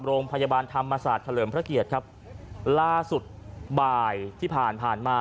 โรงพยาบาลธรรมศาสตร์เฉลิมพระเกียรติครับล่าสุดบ่ายที่ผ่านมา